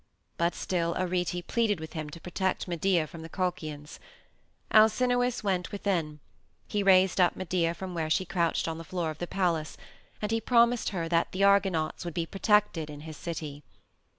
But still Arete pleaded with him to protect Medea from the Colchians. Alcinous went within; he raised up Medea from where she crouched on the floor of the palace, and he promised her that the Argonauts would be protected in his city.